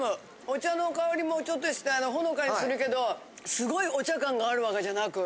お茶の香りもちょっとしたほのかにするけどすごいお茶感があるわけじゃなく。